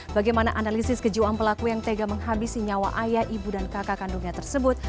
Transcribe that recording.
bagaimana analisis kejiwaan pelaku yang tega menghabisi nyawa ayah ibu dan kakak kandungnya tersebut